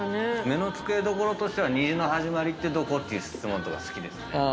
目の付けどころとしては虹の始まりってどこ？っていう質問とか好きですね。